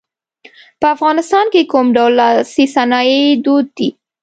په افغانستان کې کوم ډول لاسي صنایع دود دي.